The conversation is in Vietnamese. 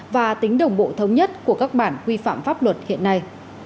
và tính đồng bộ thống nhất của các bản quy phạm pháp luật hiện nay